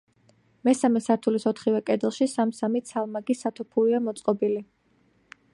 მესამე სართულის ოთხივე კედელში სამ-სამი ცალმაგი სათოფურია მოწყობილი.